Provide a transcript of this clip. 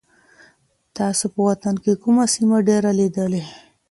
تاسو په وطن کي کومه سیمه ډېره لیدلې؟